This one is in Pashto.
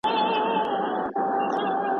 ایا شاه حسین رښتیا هم یو بې شعوره سړی و؟